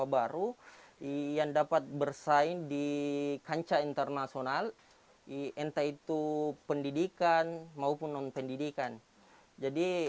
baru yang dapat bersaing di kancah internasional entah itu pendidikan maupun non pendidikan jadi